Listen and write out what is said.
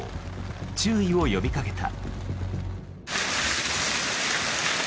注意を呼びかけた。